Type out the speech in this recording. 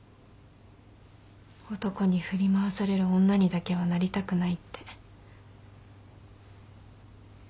男に振り回される女にだけはなりたくないって。